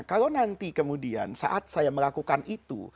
kalau nanti kemudian saat saya melakukan itu